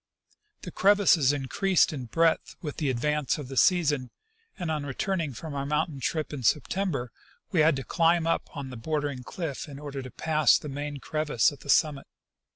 The crevasses increased in breadth with the advance of the season, and on returning from our mountain trip in Septem ber we had to climb up on the bordering cliff in order to pass the main crevasse at the summit.